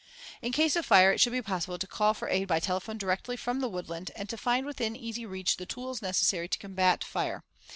In case of fire, it should be possible to call for aid by telephone directly from the woodland and to find within easy reach the tools necessary to combat fire.